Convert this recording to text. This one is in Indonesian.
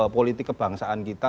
politik kebangsaan kita